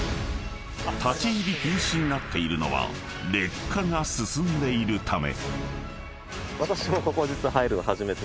［立入禁止になっているのは劣化が進んでいるため］